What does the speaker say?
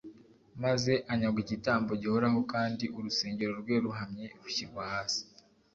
maze anyagwa igitambo gihoraho kandi urusengero rwe ruhamye rushyirwa hasi